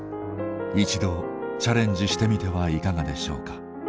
一度チャレンジしてみてはいかがでしょうか？